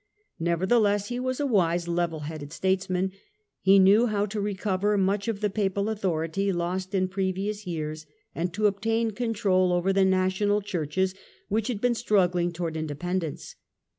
Nevertheless, he was a wise, level headed statesman, who knew how to recover much of the Papal authority lost in previous years, and to obtain control over the national Churches which had been struggling towards independence.